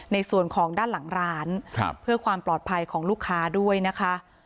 ในส่วนของด้านหลังร้านเพื่อความปลอดภัยของลูกค้าด้วยนะคะ